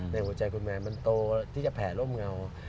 ในหัวใจคุณแมนมันโตที่จะแผลร่มเงา